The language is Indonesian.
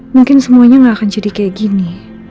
mungkin semuanya gak akan jadi kayak gini